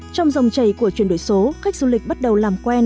trong dòng chảy của chuyển đổi số khách du lịch bắt đầu làm quen